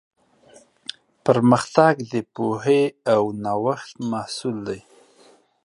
پرمختګ د پوهې او نوښت محصول دی.